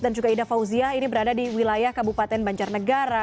juga ida fauzia ini berada di wilayah kabupaten banjarnegara